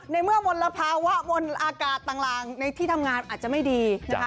ในเมื่อมลภาวะบนอากาศต่างในที่ทำงานอาจจะไม่ดีนะคะ